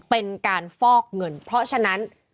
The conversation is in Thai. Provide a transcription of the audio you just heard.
เป็นการฟอกเงินเพราะฉะนั้น